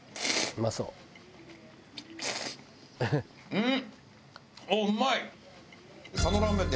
うん！